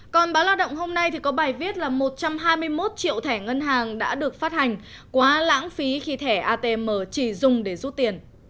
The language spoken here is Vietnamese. còn báo lao động hôm nay có bài viết là một trăm hai mươi một triệu thẻ ngân hàng đã được phát hành quá lãng phí khi thẻ atm chỉ dùng để rút tiền